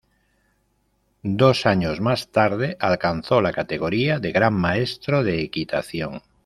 Dos años más tarde alcanzó la categoría de Gran Maestro de Equitación.